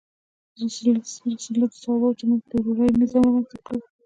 رسول الله د صحابه وو تر منځ د ورورولۍ نظام رامنځته کړ.